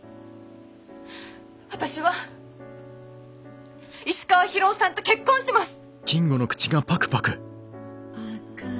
私は石川博夫さんと結婚します。